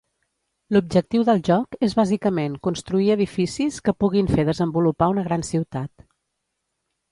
L'objectiu del joc és bàsicament construir edificis que puguin fer desenvolupar una gran ciutat.